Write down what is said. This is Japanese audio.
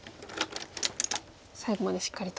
最後までしっかりと。